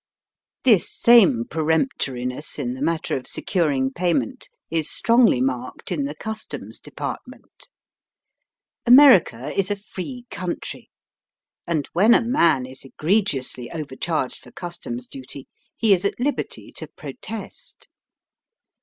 This same peremptoriness in the matter of securing payment is strongly marked in the Customs Department. America is a free country, and when a man is egregiously over charged for Customs duty he is at liberty to ''protest."